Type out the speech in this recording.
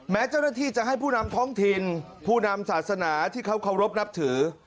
แม้เจ้าหน้าที่จะให้ผู้นำท้องถิ่นผู้นำศาสนาที่เขาเคารพนับถือ